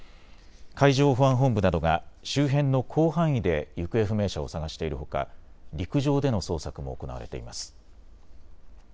海上保安本部などが周辺の広範囲で行方不明者を捜しているほか陸上での捜索も行われています。